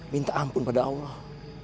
minta ampun pada allah